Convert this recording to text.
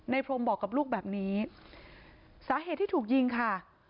พรมบอกกับลูกแบบนี้สาเหตุที่ถูกยิงค่ะ